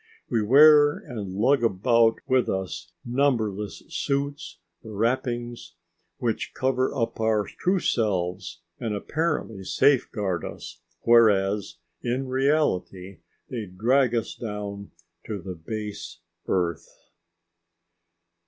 We wear and lug about with us numberless suits, wrappings, which cover up our true selves and apparently safeguard us, whereas in reality they drag us down to the base earth.